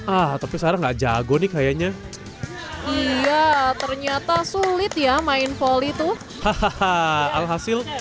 ah tapi sangat jago nih kayaknya ternyata sulit ya main foli itu hahaha alhasil